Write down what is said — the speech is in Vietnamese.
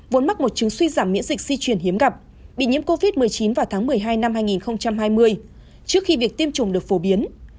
vốn mắc một chứng suy giảm miễn dịch di chuyển hiếm gặp bị nhiễm covid một mươi chín vào tháng một mươi hai năm hai nghìn hai mươi trước khi việc tiêm chủng được phổ biến